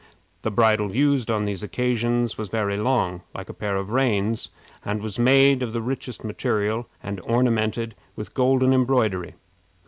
The bridle used, on these occasions was very long, like a pair of reins, and was made of the richest material, and ornamented with golden embroidery.